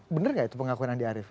bener gak itu pengakuan andi arief